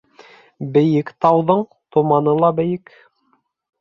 Бейек тауҙың томаны ла бейек.